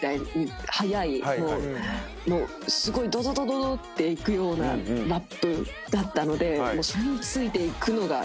ドドドドっていくようなラップだったのでついていくのが。